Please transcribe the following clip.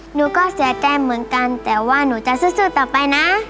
หนูก็เสียใจเหมือนกันแต่ว่าหนูจะสู้ต่อไปนะ